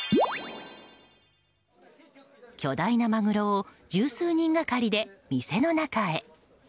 巨大なマグロを十数人がかりで店の中へ。